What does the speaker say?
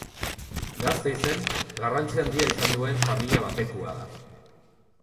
Gasteizen garrantzi handia izan duen familia batekoa da.